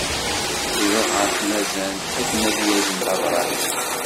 Iruḥ ɣer tnazzant akken ad yazen tabrat.